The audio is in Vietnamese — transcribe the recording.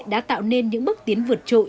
đã tạo nên những bước tiến vượt trội